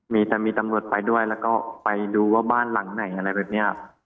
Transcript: มีแต่มีตำรวจไปด้วยแล้วก็ไปดูว่าบ้านหลังไหนอะไรแบบนี้